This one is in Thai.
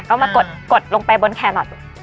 เอามากดลงไปบนแครอท